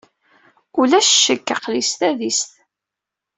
Ulac ccekk, aql-i s tadist.